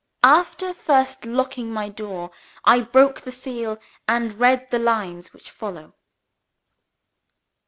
After first locking my door, I broke the seal, and read the lines which follow.